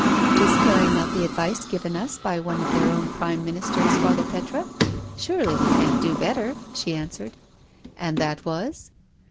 " Just carrying out the advice given us by one of their own Prime Ministers, Father Petre— surely we can't do better," she answered. "And that was?"